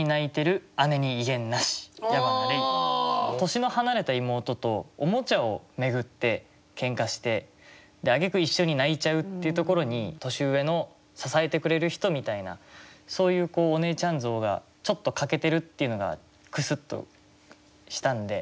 年の離れた妹とオモチャを巡ってケンカしてあげく一緒に泣いちゃうっていうところに年上の支えてくれる人みたいなそういうお姉ちゃん像がちょっと欠けてるっていうのがクスッとしたんで。